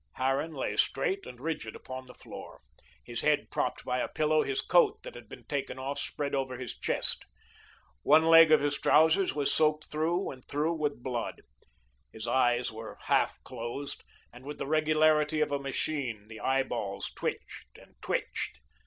Harran lay straight and rigid upon the floor, his head propped by a pillow, his coat that had been taken off spread over his chest. One leg of his trousers was soaked through and through with blood. His eyes were half closed, and with the regularity of a machine, the eyeballs twitched and twitched.